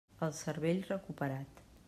El cervell recuperat.